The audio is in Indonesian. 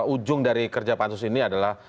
ujung dari kerja pansus ini adalah